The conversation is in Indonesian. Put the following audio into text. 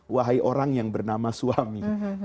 wahai orang yang bernama suami